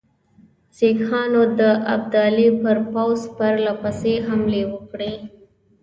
سیکهانو د ابدالي پر پوځ پرله پسې حملې وکړې.